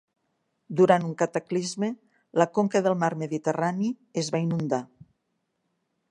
Durant un cataclisme, la conca del mar Mediterrani es va inundar.